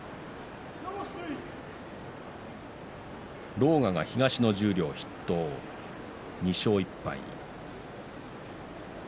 狼雅が東の筆頭で２勝１敗。